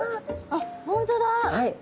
あっ本当だ。